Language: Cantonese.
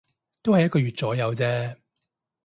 都係一個月左右啫